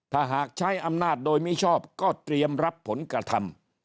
ถ้าหากใช้อำนาจโดยมิชอบก็เตรียมรับผลกระทำ